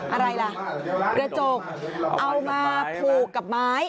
อะไรล่ะกระจกเอามาผูกกับไม้